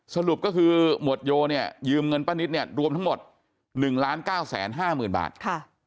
สรุปก็คือหมวดโยยืมเงินป้านิตรวมทั้งหมด๑๙๕๐๐๐๐บาท